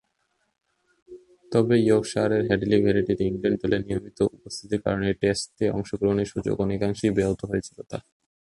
তবে, ইয়র্কশায়ারের Hadlee ভেরিটি’র England দলে নিয়মিত উপস্থিতির কারণে টেস্টে অংশগ্রহণের সুযোগ অনেকাংশেই ব্যাহত হয়েছিল তার।